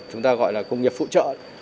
chúng ta gọi là công nghiệp phụ trợ